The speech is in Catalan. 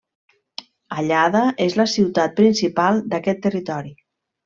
Allada és la ciutat principal d'aquest territori.